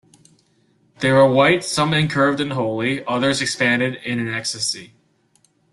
They were white, some incurved and holy, others expanded in an ecstasy.